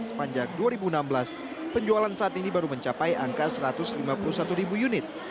sepanjang dua ribu enam belas penjualan saat ini baru mencapai angka satu ratus lima puluh satu ribu unit